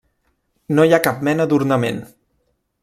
No hi ha cap mena d'ornament.